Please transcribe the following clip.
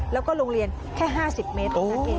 แล้วก็โรงเรียนแค่๕๐เมตรโอ้โฮ